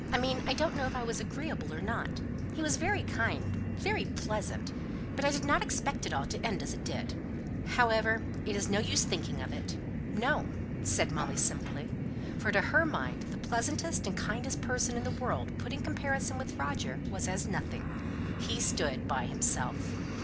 "I mean I don't know if I was agreeable or not. He was very kind very pleasant but I did not expect it all to end as it did. However, it's of no use thinking of it." "No!" said Molly, simply; for to her mind the pleasantest and kindest person in the world put in comparison with Roger was as nothing; he stood by himself.